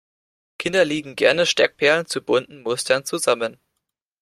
Kinder legen gerne Steckperlen zu bunten Mustern zusammen.